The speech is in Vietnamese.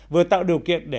vừa tạo điều kiện để